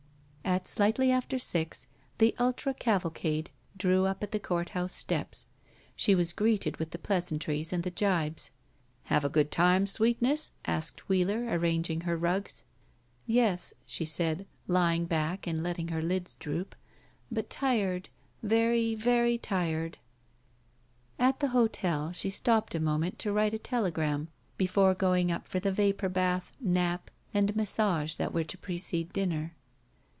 At slightly after six the ultra cavalcade drew up at the court house steps. She was greeted with the pleasantries and the gibes. "Have a good time, sweetness?" asked Wheeler, arranging her rugs. "Yes," she said, lying back and letting her lids droop; "but tired — ^very, very tired." 86 BACK PAY At the hotel, she stopped a moment to write a telegram before going up for the vapor bath, nap, and massage that were to precede dinner.